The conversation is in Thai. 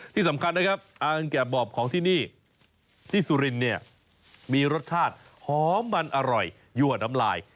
ที่สำคัญนะครับอ่างแก่บอบของที่นี่ที่สุรินเนี่ยมีรสชาติหอมมันอร่อยยั่วน้ำลาย